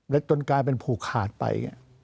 และจนกลายเป็นผูกขาดไป